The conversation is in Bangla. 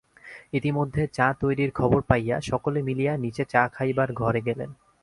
ইতিমধ্যে চা তৈরির খবর পাইয়া সকলে মিলিয়া নীচে চা খাইবার ঘরে গেলেন।